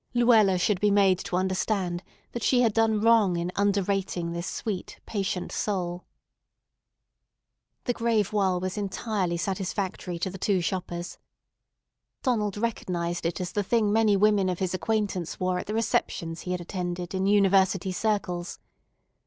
Luella should be made to understand that she had done wrong in underrating this sweet, patient soul. [Illustration: "DONALD WATCHED HER WITH SATISFACTION"] The gray voile was entirely satisfactory to the two shoppers. Donald recognized it as the thing many women of his acquaintance wore at the receptions he had attended in university circles.